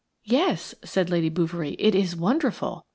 "Yes," said Lady Bouverie, "it is wonderful.